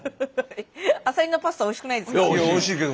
アサリのパスタおいしくないですか？